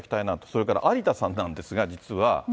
それから有田さんなんですが、実は。